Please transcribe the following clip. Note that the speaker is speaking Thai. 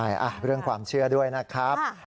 ใช่เรื่องความเชื่อด้วยนะครับ